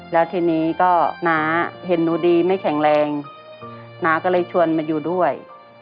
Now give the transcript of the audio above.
แล้วทีนี้ก็น้าเห็นหนูดีไม่แข็งแรงน้าก็เลยชวนมาอยู่ด้วย